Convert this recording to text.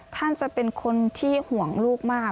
ท่านจะเป็นคนที่ห่วงลูกมาก